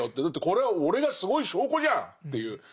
だってこれは俺がすごい証拠じゃんっていう。